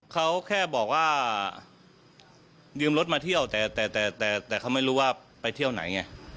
เขาแค่บอกว่ายืมรถมาเที่ยวแต่แต่เขาไม่รู้ว่าไปเที่ยวไหนไง